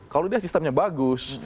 kalau dia sistemnya bagus